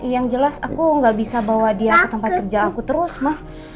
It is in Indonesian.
yang jelas aku gak bisa bawa dia ke tempat kerja aku terus mas